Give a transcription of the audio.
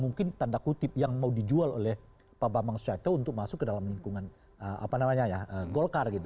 mungkin tanda kutip yang mau dijual oleh pak bambang susatyo untuk masuk ke dalam lingkungan golkar gitu